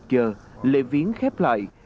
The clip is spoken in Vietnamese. một mươi một h lễ viến khép lại